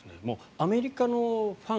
アメリカのファン